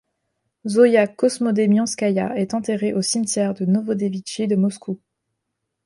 Zoïa Kosmodemianskaïa est enterrée au cimetière de Novodevitchi de Moscou.